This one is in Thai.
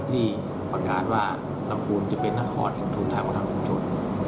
ที่ประกาศว่าลับคูลจะเป็นนักคลอดเองสูญใต่ะทางุงชน